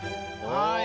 はい。